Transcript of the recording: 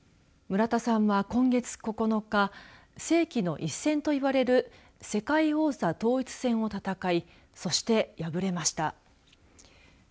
村田さんは今月９日世紀の一戦といわれる世界王座統一戦を戦いそして敗れました。